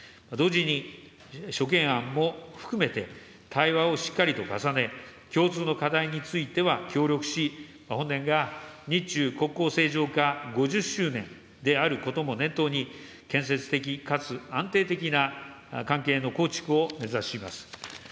同時に、諸懸案も含めて、対話をしっかりと重ね、共通の課題については協力し、本年が日中国交正常化５０周年であることも念頭に、建設的かつ安定的な関係の構築を目指します。